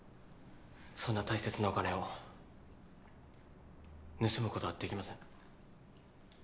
そんな大切なお金を盗むことはできません。